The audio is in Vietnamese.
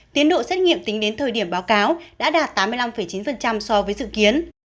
tiến độ xét nghiệm tính đến thời điểm báo cáo đã đạt tám mươi năm chín so với dự kiến